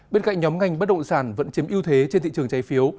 bên cạnh nhóm ngành bất động sản vẫn chiếm ưu thế trên thị trường trái phiếu